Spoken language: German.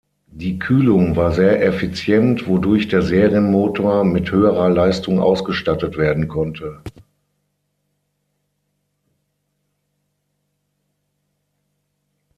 Die Kühlung war sehr effizient, wodurch der Serien-Motor mit höherer Leistung ausgestattet werden konnte.